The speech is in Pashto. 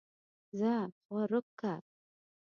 زۀ خواروک کۀ